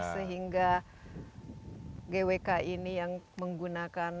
sehingga gwk ini yang menggunakan